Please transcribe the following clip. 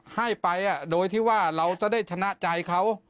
ให้ไปโดยที่ว่าเราจะได้ชนะใจเขา